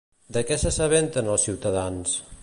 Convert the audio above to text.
De què s'assabenten els ciutadans?